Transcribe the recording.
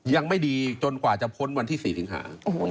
ยังไม่ดีจนกว่าจะพ้นวันที่๔สิงหา